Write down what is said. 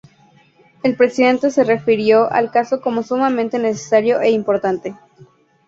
El Presidente se refirió al caso como sumamente necesario e importante.